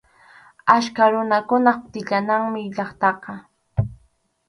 Achka runakunap tiyananmi llaqtaqa.